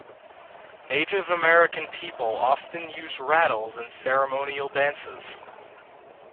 Native American people often use rattles in ceremonial dances.